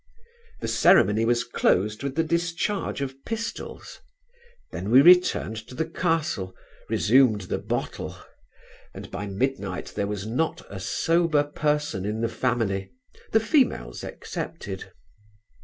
The ceremony was closed with the discharge of pistols; then we returned to the castle, resumed the bottle, and by midnight there was not a sober person in the family, the females excepted.